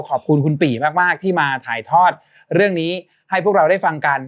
ขอบคุณคุณปี่มากที่มาถ่ายทอดเรื่องนี้ให้พวกเราได้ฟังกัน